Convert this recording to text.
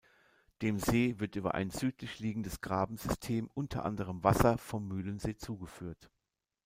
Dem See wird über ein südlich liegendes Grabensystem unter anderem Wasser vom Mühlensee zugeführt.